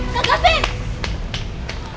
kak kak tunggu